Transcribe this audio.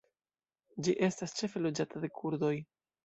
Ĝi estas ĉefe loĝata de kurdoj.